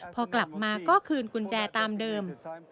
พอกลับมาก็คืนกุญแจตามเดิม